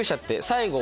最後。